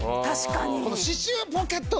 確かに。